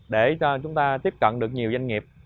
để chúng ta tiếp cận được nhiều doanh nghiệp